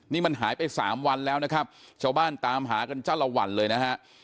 นี่มันหายไปสามวันแล้วนะครับชาวบ้านตามหากันจ้าละวันเลยนะฮะ